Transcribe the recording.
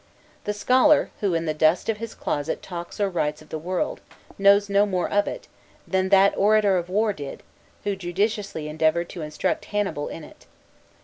The scholar, who in the dust of his closet talks or writes of the world, knows no more of it, than that orator did of war, who judiciously endeavored to instruct Hannibal in it.